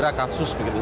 sudah tersandra kasus